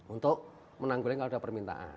untuk menangguling kalau ada permintaan